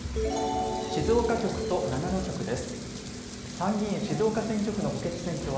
静岡局と長野局です。